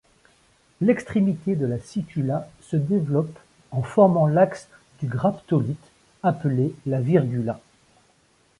L'extrémité de la sicula se développe en formant l'axe du graptolite, appelé la virgula.